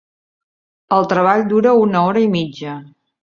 El treball dura una hora i mitja.